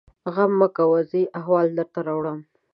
_غم مه کوه! زه يې احوال درته راوړم.